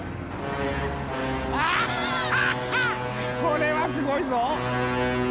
これはすごいぞ」